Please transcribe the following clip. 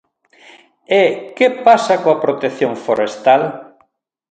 E ¿que pasa coa protección forestal?